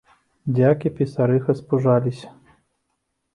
Дзяк і пісарыха спужаліся.